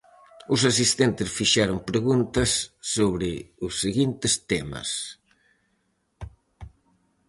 Os asistentes fixeron preguntas sobre os seguintes temas: